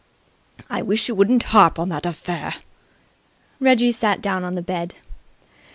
"I wish you wouldn't harp on that affair!" Reggie sat down on the bed.